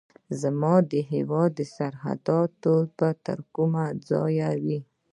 زما د هیواد سرحدات به تر کومه ځایه وي.